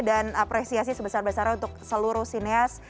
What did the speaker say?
dan apresiasi sebesar besarnya untuk seluruh sineas